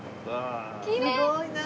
きれい。